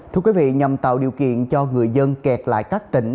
thưa quý vị nhằm tạo điều kiện cho người dân kẹt lại các tỉnh